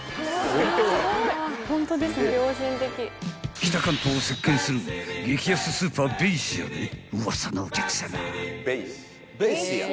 ［北関東を席巻する激安スーパーベイシアでウワサのお客さま］